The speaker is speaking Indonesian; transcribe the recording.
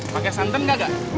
pake santan gak gak